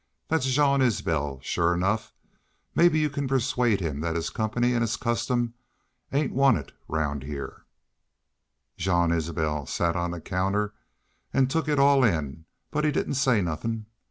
Thet's Jean Isbel shore enough. Mebbe you can persuade him thet his company an' his custom ain't wanted round heah!' "Jean Isbel set on the counter an took it all in, but he didn't say nothin'.